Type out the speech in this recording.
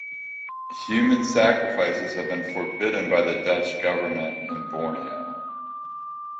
Human sacrifices have been forbidden by the Dutch Government in Borneo.